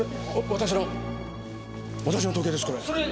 私の時計ですこれ。